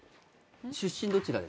出身どちらですか？